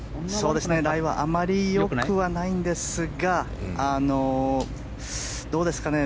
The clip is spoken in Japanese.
ライはあまりよくないんですがどうですかね